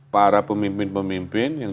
para pemimpin pemimpin yang